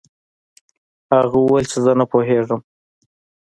هغه وویل چې زه نه پوهیږم.